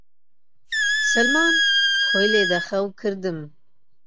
سەلمان! خۆی لێ دە خەو کردم